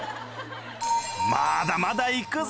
まだまだ行くぞ！